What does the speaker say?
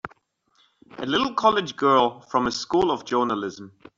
A little college girl from a School of Journalism!